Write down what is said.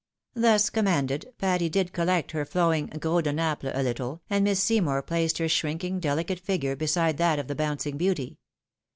Thus commanded, Patty did collect her flowing gros de Naples a httle, and Miss Seymour placed her shrinking, delicate figure beside that of the bouncing beauty.